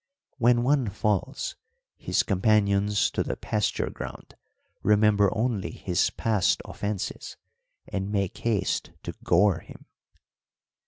When one falls, his companions of the pasture ground remember only his past offences, and make haste to gore him."